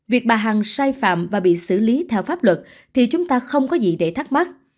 việc bà hằng sai phạm và bị xử lý theo pháp luật thì chúng ta không có gì để thắc mắc